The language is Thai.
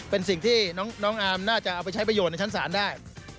เป็นสิ่งที่น้องอามน่าจะเอาไปใช้ประโยชน์ในชั้นศาลได้